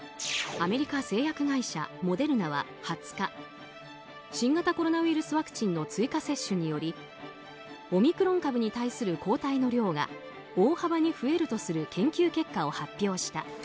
アメリカ製薬会社モデルナは２０日新型コロナウイルスワクチンの追加接種によりオミクロン株に対する抗体の量が大幅に増えるとする研究結果を発表した。